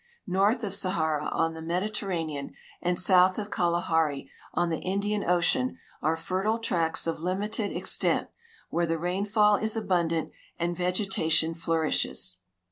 North of Sahara, on the Mediterranean, and south of Kalahari, on the Indian ocean, are fertile tracts of limited extent, where the rainfall is abundant and vegetation flourishes.